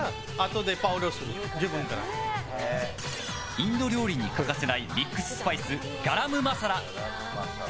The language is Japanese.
インド料理に欠かせないミックススパイス、ガラムマサラ。